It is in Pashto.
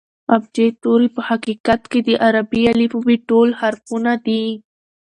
ابجد توري په حقیقت کښي د عربي الفبې ټول حرفونه دي.